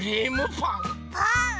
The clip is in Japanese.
パン？